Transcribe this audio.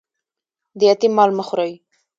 د یتیم مال مه خورئ